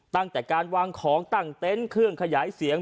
ตั้งแต่การวางของตั้งเต็นต์เครื่องขยายเสียง